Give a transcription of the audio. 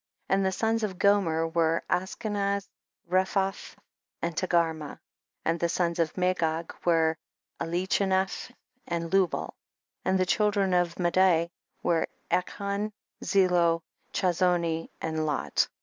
3. And the sons of Gomer were Askinaz, Rephath and Tegarmah. 4. And the sons of Magog were Elichanaf and Lubal. 5. And the children of Madai were Achon, Zeelo, Chazoni and Lot.